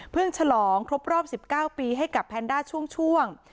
ฉลองครบรอบ๑๙ปีให้กับแพนด้าช่วง